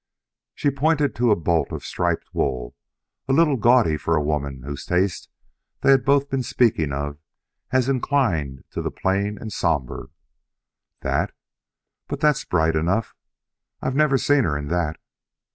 She pointed to a bolt of striped wool a little gaudy for a woman whose taste they had both been speaking of as inclined to the plain and somber. "That? But that's bright enough. I've never seen her in that."